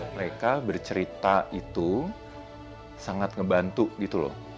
mereka bercerita itu sangat ngebantu gitu loh